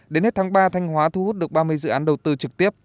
đến hết tháng ba thanh hóa thu hút được ba mươi dự án đầu tư trực tiếp